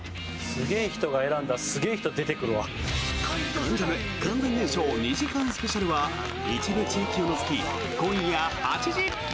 「関ジャム完全燃ＳＨＯＷ」２時間スペシャルは一部地域を除き、今夜８時。